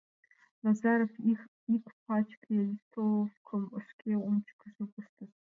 Назаров ик пачке листовкым шке ончыкыжо пыштыш.